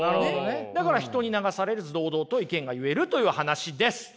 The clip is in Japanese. だから人に流されず堂々と意見が言えるという話です。